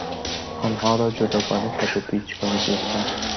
آنها را جداگانه کادو پیچ کنید، لطفا.